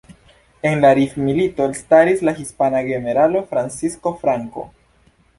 En la rif-milito elstaris la hispana generalo Francisco Franco.